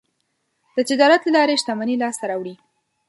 د تجارت له لارې شتمني لاسته راوړي.